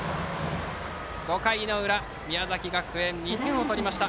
５回の裏、宮崎学園２点を取りました。